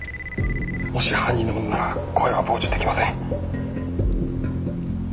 もし犯人のものなら声は傍受出来ません。